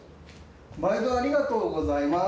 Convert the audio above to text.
まいどありがとうございます。